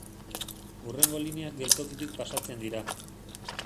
Hurrengo lineak geltokitik pasatzen dira.